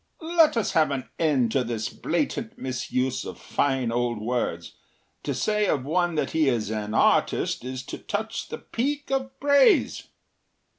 “Let us have an end to this blatant misuse of fine old words. To say of one that he is an artist is to touch the peak of praise.